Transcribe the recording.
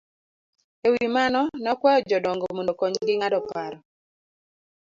E wi mano, ne okwayo jodongo mondo okonygi ng'ado paro